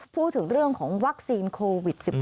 พูดถึงเรื่องของวัคซีนโควิด๑๙